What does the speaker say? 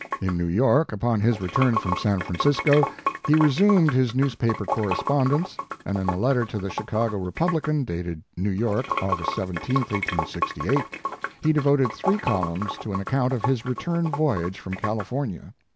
Jn New York, upon his return from San Francisco, he resumed his newspaper correspondence, and in a letter to the Chicago Republican^ dated New York, August 17, 1868, he devoted three columns to an account of his return voyage from California.